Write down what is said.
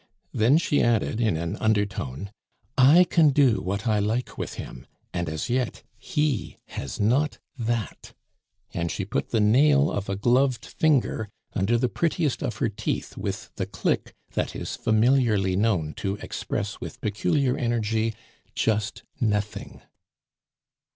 Then she added in an undertone: "I can do what I like with him, and as yet he has not that!" and she put the nail of a gloved finger under the prettiest of her teeth with the click that is familiarly known to express with peculiar energy: "Just nothing."